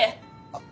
あっ。